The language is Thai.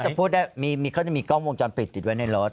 เขาจะพูดได้มีกล้องวงจำปิดติดไว้ในรถ